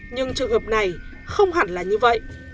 nhưng trường hợp này không hẳn là như vậy